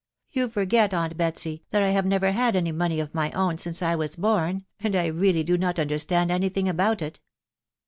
You forget, aunt Betsy, that I have never had any money of my own since I was born, and I really do not understand any thing about it."